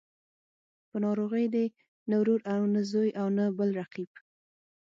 په ناروغۍ دې نه ورور او نه زوی او نه بل قريب.